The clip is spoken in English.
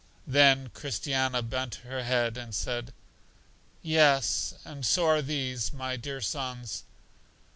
Then Christiana bent her head, and said, Yes, and so are these, my dear sons.